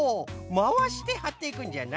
まわしてはっていくんじゃな。